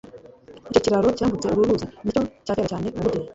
Icyo kiraro cyambutse uru ruzi nicyo cyakera cyane mumujyi